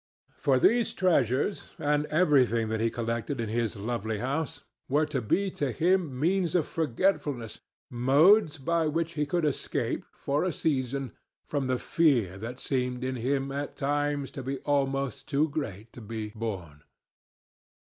For these treasures, and everything that he collected in his lovely house, were to be to him means of forgetfulness, modes by which he could escape, for a season, from the fear that seemed to him at times to be almost too great to be borne.